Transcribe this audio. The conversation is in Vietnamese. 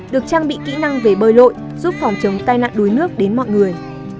được trang bị kỹ năng về bơi lội giúp phòng chống tai nạn đuối nước đến mọi người